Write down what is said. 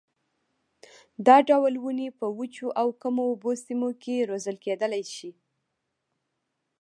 دا ډول ونې په وچو او کمو اوبو سیمو کې روزل کېدلای شي.